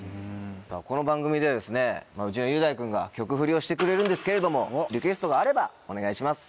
この番組ではうちの雄大君が曲フリをしてくれるんですけれどもリクエストがあればお願いします。